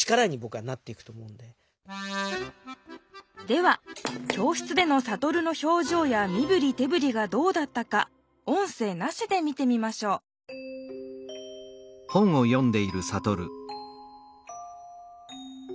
では教室でのサトルの表情やみぶりてぶりがどうだったか音声なしで見てみましょうわっリンちゃん